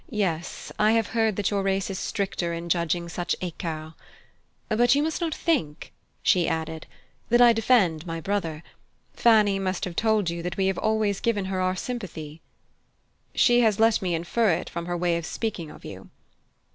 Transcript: Yes, I have heard that your race is stricter in judging such ecarts. But you must not think," she added, "that I defend my brother. Fanny must have told you that we have always given her our sympathy." "She has let me infer it from her way of speaking of you."